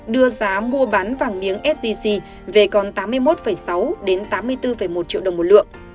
đưa giá mua bán vàng miếng s g g về còn tám mươi một sáu tám mươi bốn một triệu đồng một lượng